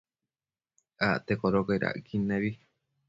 Acte codocaid acquid nebi